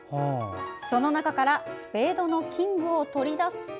その中からスペードのキングを取り出すと。